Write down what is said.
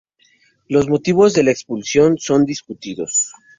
Los motivos de la expulsión son discutidos.